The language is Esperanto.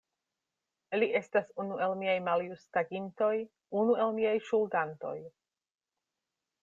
Li estas unu el miaj maljustagintoj, unu el miaj ŝuldantoj!